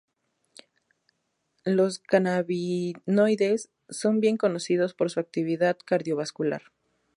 Los cannabinoides son bien conocidos por su actividad cardiovascular.